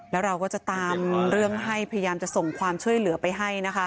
แล้วเราก็จะตามเรื่องให้พยายามจะส่งความช่วยเหลือไปให้นะคะ